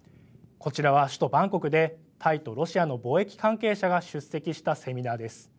こちらは首都バンコクでタイとロシアの貿易関係者が出席したセミナーです。